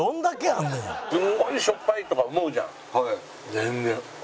全然。